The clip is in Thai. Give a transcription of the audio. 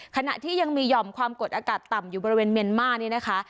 ขณะที่ยังมีหย่อมความกดอากาศต่ำอยู่บริเวณเมียนมาร์นี่นะคะ